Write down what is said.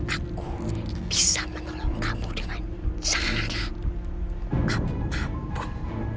aku bisa menolong kamu dengan sangat apapun